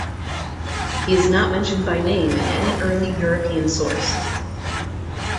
He is not mentioned by name in any early European source.